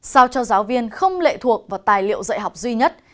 sao cho giáo viên không lệ thuộc vào tài liệu dạy học duy nhất